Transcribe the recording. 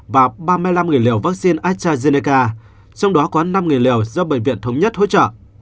và ba mươi năm liều vaccine astrazeneca trong đó có năm liều do bệnh viện thống nhất hỗ trợ